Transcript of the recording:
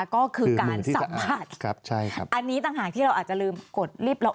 ก็คือการสัมผัสอันนี้ต่างหากที่เราอาจจะลืมกดรีบเรา